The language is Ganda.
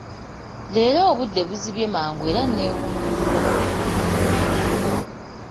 Leero obudde buzibye mangu era nneewuunyizza.